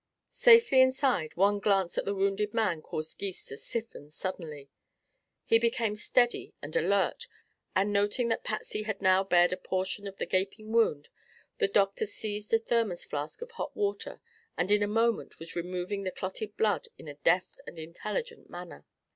Safely inside, one glance at the wounded man caused Gys to stiffen suddenly. He became steady and alert and noting that Patsy had now bared a portion of the gaping wound the doctor seized a thermos flask of hot water and in a moment was removing the clotted blood in a deft and intelligent manner.